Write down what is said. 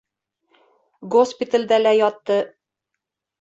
Госпиталдә лә ятты.